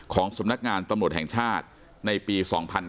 ของสมนักงานตำรวจแห่งชาติในปี๒๕๖๑